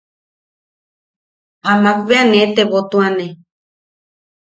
Amak bea ne tebotuane.